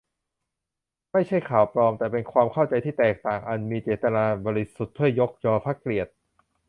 ไม่ใช่ "ข่าวปลอม" แต่เป็น "ความเข้าใจที่แตกต่างอันมีเจตนาบริสุทธิ์เพื่อยอพระเกียรติ"